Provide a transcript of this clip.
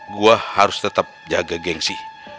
gue harus tetap jaga gengsi